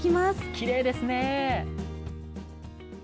きれいですね